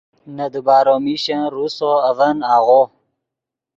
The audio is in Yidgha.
نے دیبارو میشن روسو اڤن آغو